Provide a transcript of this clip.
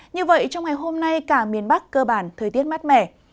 như vậy trong ngày hôm nay cả miền bắc cơ bản thời tiết mát mẻ